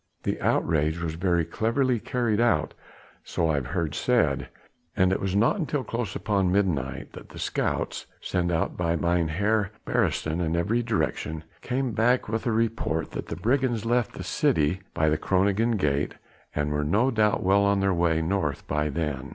"The outrage was very cleverly carried out, so I've heard said; and it was not until close upon midnight that the scouts sent out by Mynheer Beresteyn in every direction came back with the report that the brigands left the city by the Groningen gate and were no doubt well on their way north by then."